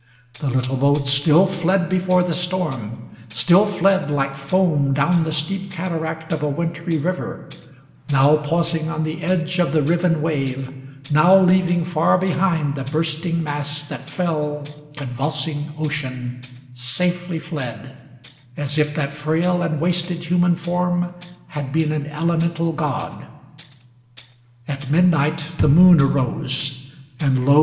The little boat Still fled before the storm; still fled, like foam Down the steep cataract of a wintry river; Now pausing on the edge of the riven wave ; Now leaving far behind the bursting mass That fell, convulsing ocean ; safely fled ŌĆö As if that frail and wasted human form 350 Had been an elemental god. At midnight The moon arose; and lo!